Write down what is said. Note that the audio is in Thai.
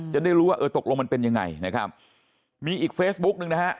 จะได้รู้ว่าเออตกลงมันเป็นยังไงนะครับมีอีกเฟซบุ๊กหนึ่งนะฮะ